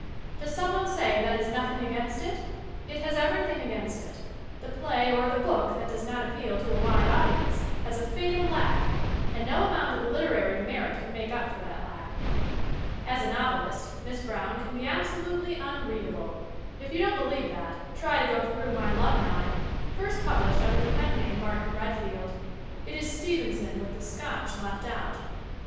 Does some one say that is nothing against it? It is everything against it. The play or the book that does not appeal to a wide audience has a fatal lack and no amount of "literary" merit can make up for that lack. As a novelist Miss Brown can be absolutely un readable. If you don't believe that try to go through My Love and I, first published under the pen name "Martin Redfield." It is Stevenson with the Scotch left out.